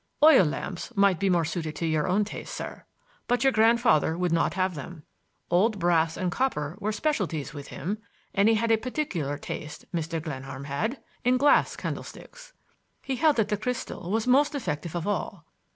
"Oil lamps might be more suited to your own taste, sir. But your grandfather would not have them. Old brass and copper were specialties with him, and he had a particular taste, Mr. Glenarm had, in glass candlesticks. He held that the crystal was most effective of all.